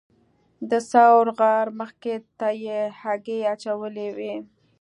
د ثور غار مخې ته یې هګۍ اچولې وه.